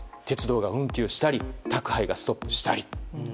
鉄道が運休したり宅配がストップしたり。